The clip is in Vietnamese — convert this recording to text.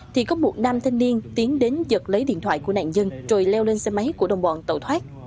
thì có một nam thanh niên tiến đến giật lấy điện thoại của nạn dân rồi leo lên xe máy của đồng bọn tẩu thoát